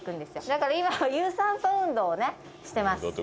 だから今有酸素運動をしてます。